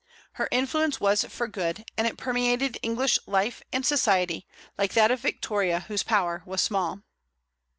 Her influence was for good, and it permeated English life and society, like that of Victoria, whose power was small.